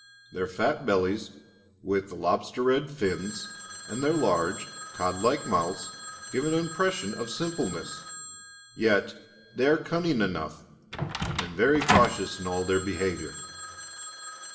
Their fat bellies with the lobster red fins, and their large, cod like mouths, give an impression of simpleness. Yet they are cunning enough, and very cautious in all their behaviour.